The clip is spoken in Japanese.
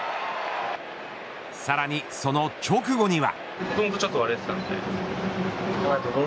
さらに、その直後には。